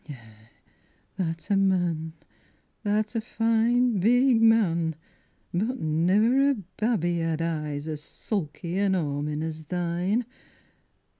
Yi, tha'rt a man, tha'rt a fine big man, but niver a baby had eyes As sulky an' ormin' as thine.